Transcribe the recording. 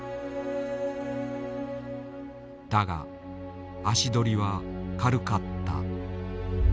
だが足どりは軽かった。